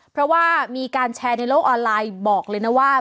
เพราะว่ามีการแชร์ในโลกออนไลน์บอกเลยนะว่า